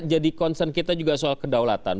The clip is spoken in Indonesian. jadi concern kita juga soal kedaulatan